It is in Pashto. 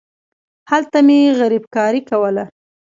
هلته مې غريبکاري کوله.